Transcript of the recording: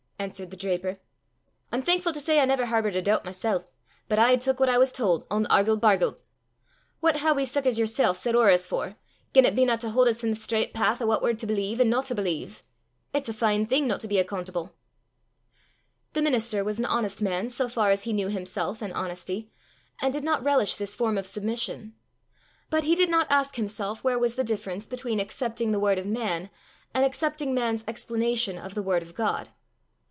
answered the draper. "I'm thankfu' to say I never harboured a doobt mysel', but aye took what I was tauld, ohn argle barglet. What hae we sic as yersel' set ower 's for, gien it binna to haud 's i' the straucht path o' what we're to believe an' no to believe? It's a fine thing no to be accoontable!" The minister was an honest man so far as he knew himself and honesty, and did not relish this form of submission. But he did not ask himself where was the difference between accepting the word of man and accepting man's explanation of the word of God!